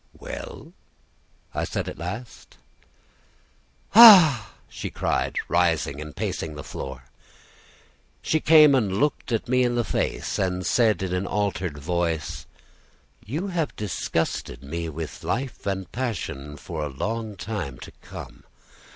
"Well?" I said at last. "Ah!" she cried, rising and pacing the floor. She came and looked me in the face, and said in an altered voice: "You have disgusted me with life and passion for a long time to come.